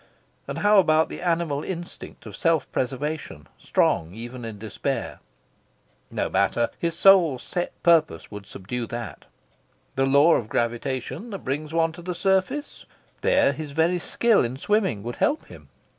And how about the animal instinct of self preservation, strong even in despair? No matter! His soul's set purpose would subdue that. The law of gravitation that brings one to the surface? There his very skill in swimming would help him.